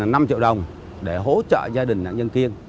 cầm số tiền là năm triệu đồng để hỗ trợ gia đình nạn nhân kiên